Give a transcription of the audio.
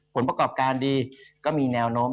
ผลประกอบการดีก็มีแนวโน้ม